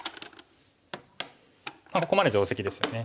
ここまで定石ですよね。